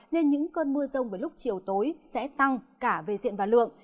nên những cơn mưa rông với lúc chiều tối sẽ tăng cả về diện và lượng